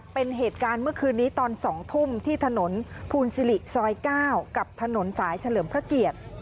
เป็นเหตุการณ์เมื่อคืนนี้ตอน๒ทุ่มที่ถนนภูนศิริซอย๙กับถนนสายเฉลิมพระเกียรติ